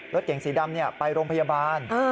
รถเก่งสีดำเนี่ยไปโรงพยาบาล